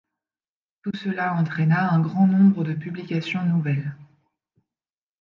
Tout cela entraîna un grand nombre de publications nouvelles.